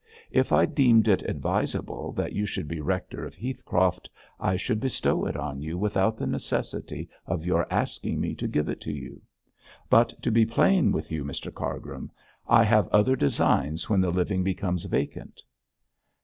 If I deemed it advisable that you should be rector of Heathcroft, I should bestow it on you without the necessity of your asking me to give it to you; but to be plain with you, Mr Cargrim, I have other designs when the living becomes vacant.'